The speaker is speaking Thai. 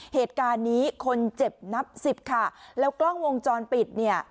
เหตุการณ์นี้คนเจ็บนับสิบค่ะแล้วกล้องวงจรปิดเนี่ย